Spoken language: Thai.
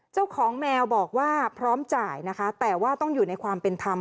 เจ้าของแมวบอกว่าพร้อมจ่ายนะคะแต่ว่าต้องอยู่ในความเป็นธรรม